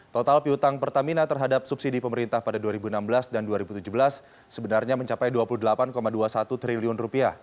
total piutang pertamina terhadap subsidi pemerintah pada dua ribu enam belas dan dua ribu tujuh belas sebenarnya mencapai rp dua puluh delapan dua puluh satu triliun